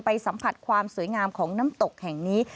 สัมผัสความสวยงามของน้ำตกแห่งนี้